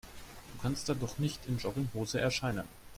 Du kannst da doch nicht in Jogginghose erscheinen.